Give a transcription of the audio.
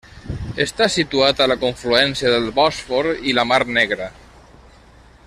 Està situat a la confluència del Bòsfor i la Mar Negra.